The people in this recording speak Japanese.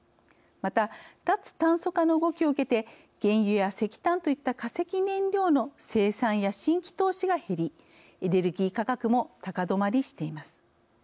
また脱炭素化の動きを受けて原油や石炭といった化石燃料の生産や新規投資が減りエネルギー価格も高どまりしています。